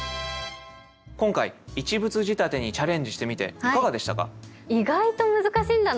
今回一物仕立てにチャレンジしてみていかがでしたか？